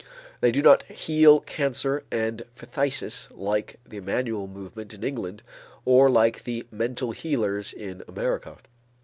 They do not heal cancer and phthisis like the Emmanuel Movement in England or like the mental healers in America.